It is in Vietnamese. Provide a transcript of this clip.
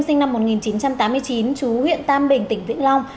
sinh năm một nghìn chín trăm tám mươi chín chú huyện tam bình tỉnh vĩnh long